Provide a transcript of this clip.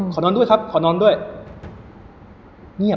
ขอนอนด้วยครับขอนอนด้วย